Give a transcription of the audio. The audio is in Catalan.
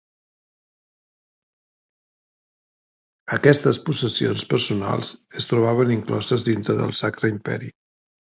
Aquestes possessions personals es trobaven incloses dintre del Sacre Imperi.